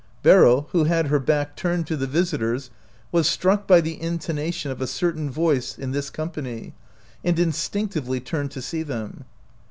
Beryl, who had her back turned to the visitors, was struck by the intonation of a certain voice in this com pany, and instinctively turned to see them.